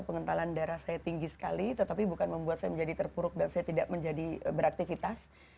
pengentalan darah saya tinggi sekali tetapi bukan membuat saya menjadi terpuruk dan saya tidak menjadi beraktivitas